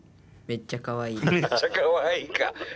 めっちゃかわいいか。